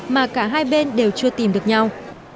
mà cả hai bên đều chưa tìm được nhau